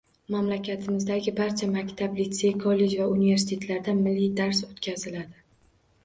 Mamlakatimizdagi barcha maktab, litsey, kollej va universitetlarda milliy dars o'tkaziladi.